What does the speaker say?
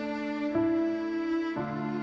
dait demi daging